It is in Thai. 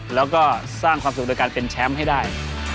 แล้วก็สร้างความสุขโดยการเป็นแชมป์ให้ได้